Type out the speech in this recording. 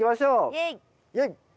イエイ。